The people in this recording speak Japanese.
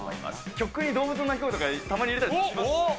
曲に動物の鳴き声とかたまに入れたりします。